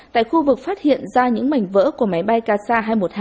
tại khu vực phát hiện ra những mảnh vỡ của máy bay ksa hai trăm một mươi hai